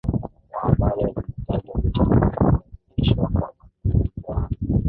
wa ambalo linatajwa kuchangia kuadhirishwa kwa mazungumzo hayo